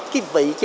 cái vị trí